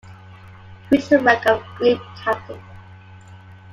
He reached the rank of group captain.